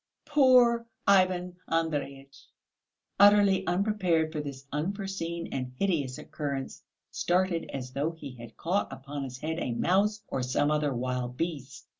Poor Ivan Andreyitch, utterly unprepared for this unforeseen and hideous occurrence, started as though he had caught upon his head a mouse or some other wild beast.